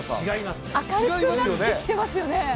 違いますね。